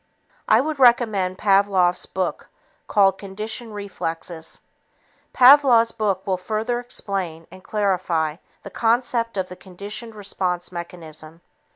I would recommend Pavlov's book called Conditioned Reflexes. Pavlov's book will further explain and clarify the concept of the conditioned response mechanism.